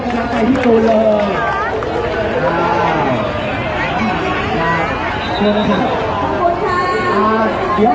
ขอบคุณมากนะคะแล้วก็แถวนี้ยังมีชาติของ